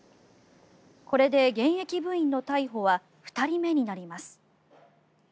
これで現役部員の逮捕は２人目になります。